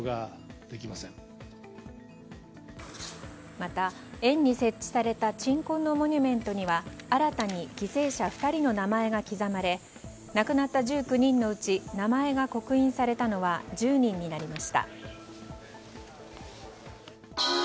また、園に設置された鎮魂のモニュメントには新たに犠牲者２人の名前が刻まれ亡くなった１９人のうち名前が刻印されたのは１０人になりました。